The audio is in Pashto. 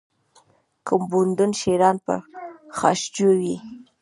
که بودند شیران پرخاشجوی